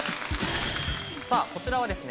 さぁこちらはですね